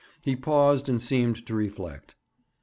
He paused, and seemed to reflect.